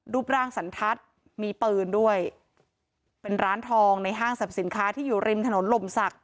รูปร่างสันทัศน์มีปืนด้วยเป็นร้านทองในห้างสรรพสินค้าที่อยู่ริมถนนลมศักดิ